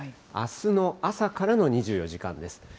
あすの朝からの２４時間です。